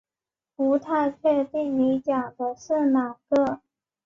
不太确定你讲的是哪个